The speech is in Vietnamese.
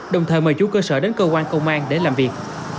đồng thời mời chủ cơ sở đến cơ quan công an để làm việc